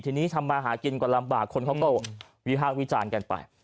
ทีนี้ทำมาหากินก็ลำบากคนเขาก็วิพากษ์วิจารณ์กันไป